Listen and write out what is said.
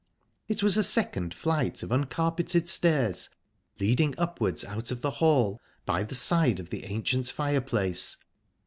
It was a second flight of uncarpeted stairs, leading upwards out of the hall, by the side of the ancient fireplace.